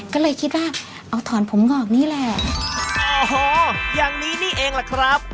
ก็เลยคิดว่าเอาถอนผมงอกนี่แหละโอ้โหอย่างนี้นี่เองล่ะครับ